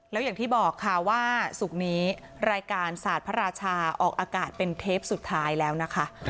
เราอยากที่บอกครับว่ารายการสารพระราชาออกอากาศเป็นเทปสุดท้ายแล้วนะคะ